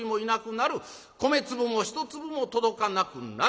米粒も一粒も届かなくなる。